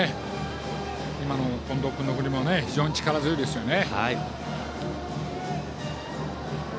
今の近藤君の振りも非常に力強いですよね。